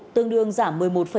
tương đương giảm một mươi một tám